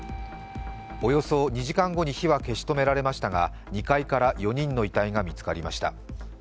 およそ２時間後に火は消し止められましたが２階から４人の遺体が見つかりました。